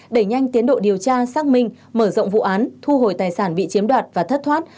đẩy nhanh tiến độ điều tra xác minh mở rộng vụ án thu hồi tài sản bị chiếm đoạt và thất thoát